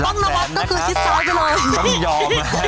รับแรนนด์ก็คือย้า